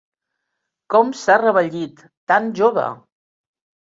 Com s'ha revellit, tan jove!